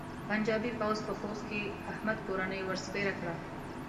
پنجاپي پوځ په خوست کې احمد کورنۍ ور سپېره کړه.